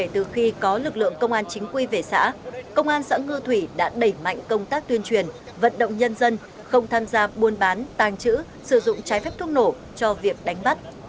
từ khi có lực lượng công an chính quy về xã công an xã ngư thủy đã đẩy mạnh công tác tuyên truyền vận động nhân dân không tham gia buôn bán tàng trữ sử dụng trái phép thuốc nổ cho việc đánh bắt